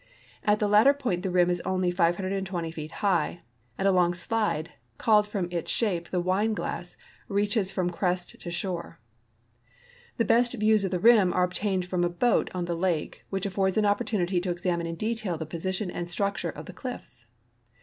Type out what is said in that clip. At the latter ])oint the rim is only 5"20 feet high, and a long slide, called fron.i its shape tlie Wuie<il<iss, reaches from crest to shore. The best views of the rim are obtained from a boat on the lake, which affords an op]K)rtunity to examine in detail the ])osition and structure of the cliifs.